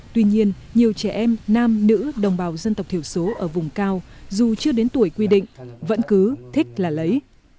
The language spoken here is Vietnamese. tuy nhiên nhiều trẻ em nam nữ đồng bào dân tộc thiểu số ở vùng cao dù chưa đến tuổi quy định vẫn cứ thích là lấy